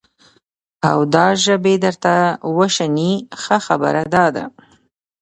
او دا ژبې درته وشني، ښه خبره دا ده،